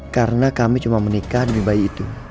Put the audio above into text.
karena kami cuma menikah demi bayi itu